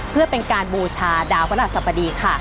เพื่อเป็นการบูชาดาวพระราชสัปดีค่ะ